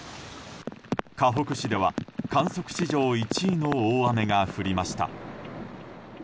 かほく市では観測史上１位の大雨が降りました。